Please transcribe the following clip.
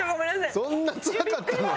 そんなつらかったの？